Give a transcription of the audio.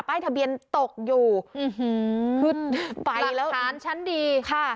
ป้ายทะเบียนตกอยู่อื้อหือไปแล้วหลักฐานชั้นดีค่ะ